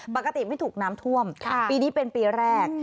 ปกติไม่ถูกน้ำท่วมปีนี้เป็นปีแรก